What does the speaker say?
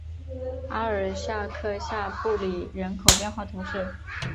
阿尔夏克下布里人口变化图示